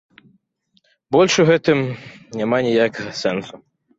Больш у гэтым няма ніякага сэнсу.